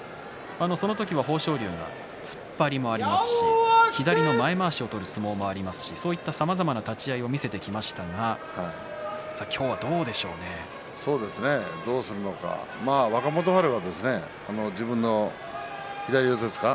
その時は豊昇龍が突っ張りもやって左の前まわしを取る相撲もありましたしさまざまな立ち合いを見せてきましたがどうしていくのか若元春は自分の左四つですか？